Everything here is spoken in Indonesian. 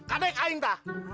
adek si agan